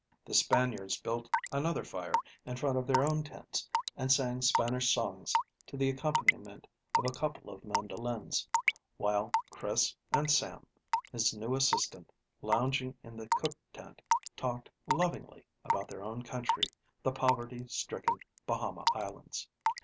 The Spaniards built another fire, in front of their own tents, and sang Spanish songs to the accompaniment of a couple of mandolins, while Chris and Sam, his new assistant, lounging in the cook tent, talked lovingly about their own country, the poverty stricken Bahama Islands.